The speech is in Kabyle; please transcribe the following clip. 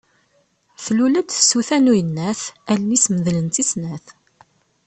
Tlul-d tsuta n uyennat, allen-is medlent i snat.